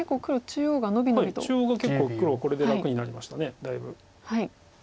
中央が結構黒はこれで楽になりましただいぶ。